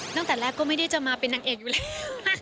ตั้งแต่แรกก็ไม่ได้จะมาเป็นนางเอกอยู่แล้ว